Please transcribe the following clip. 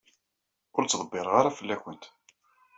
Ur ttḍebbiṛeɣ ara fell-akent.